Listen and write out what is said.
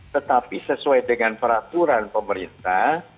tetapi sesuai dengan peraturan pemerintah